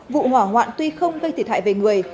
vụ hỏa hoạn tuy không gây thiệt hại về người